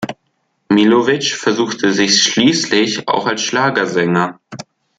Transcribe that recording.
Millowitsch versuchte sich schließlich auch als Schlagersänger.